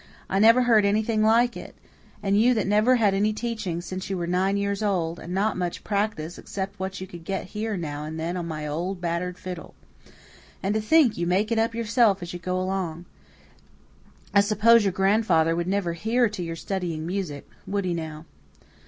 "I never heard anything like it and you that never had any teaching since you were nine years old, and not much practice, except what you could get here now and then on my old, battered fiddle. And to think you make it up yourself as you go along! I suppose your grandfather would never hear to your studying music would he now?"